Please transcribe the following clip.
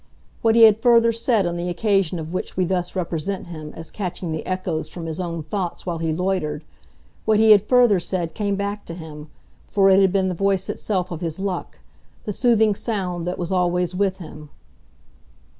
What he had further said on the occasion of which we thus represent him as catching the echoes from his own thoughts while he loitered what he had further said came back to him, for it had been the voice itself of his luck, the soothing sound that was always with him.